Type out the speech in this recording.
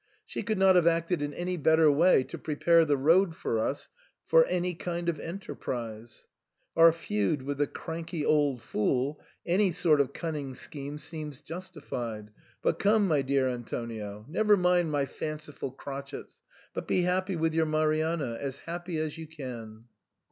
She could not have acted in any better way to prepare the road for us for any kind of enterprise. Our feud with the cranky old fool — any sort of cunning scheme seems justified, but — come, my dear Antonio, never mind my fanciful crotchets, but be happy with your Marianna ; as happy as you can."